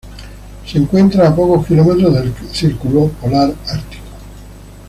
Se encuentra a pocos kilómetros del círculo polar ártico.